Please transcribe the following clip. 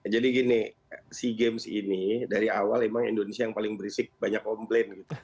jadi gini sea games ini dari awal memang indonesia yang paling berisik banyak komplain gitu